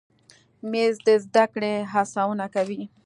مېز د زده کړې هڅونه کوي.